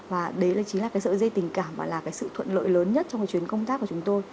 và đấy chính là cái sợi dây tình cảm và là cái sự thuận lợi lớn nhất trong cái chuyến công tác của chúng tôi